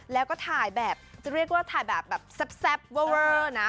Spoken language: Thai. แล้วก็ถ่ายแบบจะเรียกว่าถ่ายแบบแซ่บเวอร์นะ